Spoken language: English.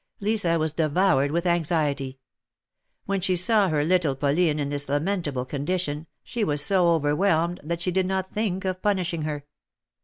Lisa was devoured with anxiety. When she saw her little Pauline in this lamentable condition she was so over whelmed that she did not think of punishing her.